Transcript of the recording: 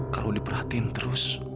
kalau diperhatiin terus